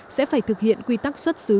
sẽ phải thực hiện quy tắc xuất xứ